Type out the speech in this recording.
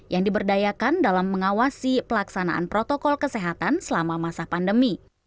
yang diberdayakan dalam mengawasi pelaksanaan protokol kesehatan selama masa pandemi